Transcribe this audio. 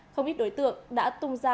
không ít đối tượng đã tung ra